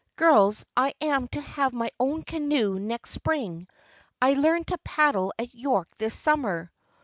Girls, I am to have my own canoe next spring. I learned to paddle at York this summer."